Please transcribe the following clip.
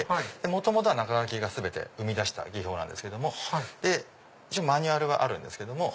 元々は仲垣が全て生み出した技法なんですけども一応マニュアルはあるんですけども。